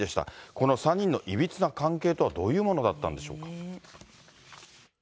この３人のいびつな関係とはどういうものだったんでしょうか。